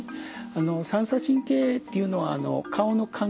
あの三叉神経っていうのは顔の感覚。